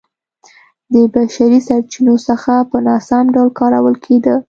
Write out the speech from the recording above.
د بشري سرچینو څخه په ناسم ډول کارول کېده